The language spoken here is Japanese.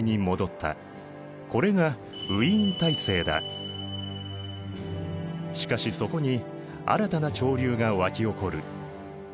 これがしかしそこに新たな潮流が沸き起こる。